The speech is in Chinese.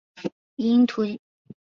以应图谶。